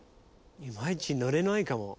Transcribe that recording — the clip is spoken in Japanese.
いまいちノれないかも。